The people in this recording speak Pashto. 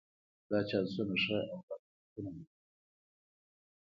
دا چانسونه ښه او بد بختونه دي.